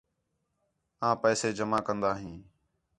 آں پیسے جمع کندا ہیں